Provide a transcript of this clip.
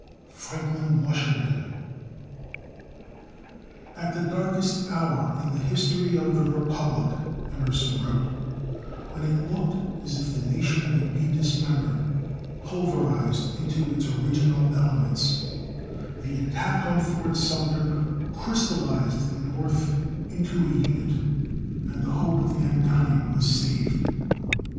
FRANKLIN LUSHINGTON. "At the darkest hour in the history of the republic," Emerson wrote, "when it looked as if the nation would be dismembered, pulverized into its original elements, the attack on Fort Sumter crystallized the North into a unit, and the hope of mankind was saved."